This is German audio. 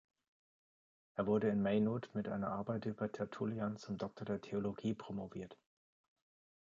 Er wurde in Maynooth mit einer Arbeit über Tertullian zum Doktor der Theologie promoviert.